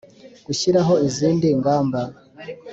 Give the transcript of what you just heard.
Gushyiraho izindi ngamba